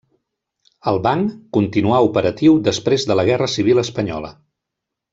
El banc continuà operatiu després de la Guerra Civil Espanyola.